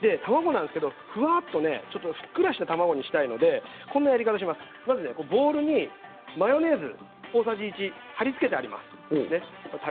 ふわっとふっくらとした卵にしたいのでボウルにマヨネーズ小さじ１、はり付けてあります。